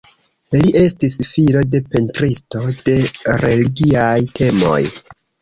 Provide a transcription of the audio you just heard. Li estis filo de pentristo de religiaj temoj.